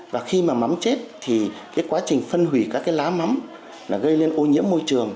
và khi mà mắm chết thì cái quá trình phân hủy các cái lá mắm là gây lên ô nhiễm môi trường